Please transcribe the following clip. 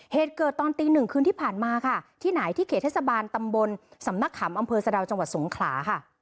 เหตุเกิดตอนตีหนึ่งคืนที่ผ่านมาค่ะที่ไหนที่เขตเทศบาลตำบลสำนักขำอำเภอสะดาวจังหวัดสงขลาค่ะ